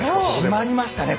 決まりましたね